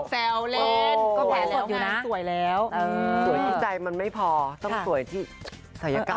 แซวเล่นก็แผลสดอยู่นะสวยแล้วสวยที่ใจมันไม่พอต้องสวยที่ศัยกรรม